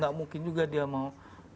gak mungkin juga dia mau